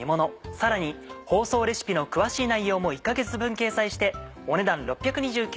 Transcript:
さらに放送レシピの詳しい内容も１か月分掲載してお値段６２９円。